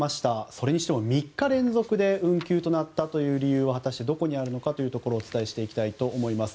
それにしても３日連続で運休となったという理由はどこにあるかお伝えしていきたいと思います。